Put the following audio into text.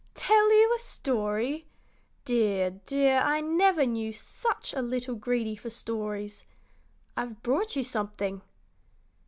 "Tell you a story! Dear, dear, I never knew such a little greedy for stories. I've brought you something."